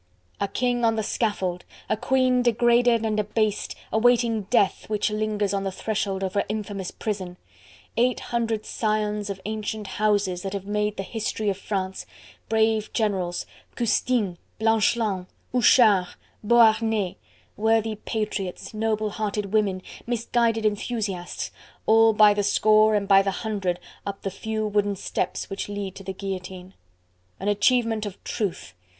A king on the scaffold; a queen degraded and abased, awaiting death, which lingers on the threshold of her infamous prison; eight hundred scions of ancient houses that have made the history of France; brave generals, Custine, Blanchelande, Houchard, Beauharnais; worthy patriots, noble hearted women, misguided enthusiasts, all by the score and by the hundred, up the few wooden steps which lead to the guillotine. An achievement of truth!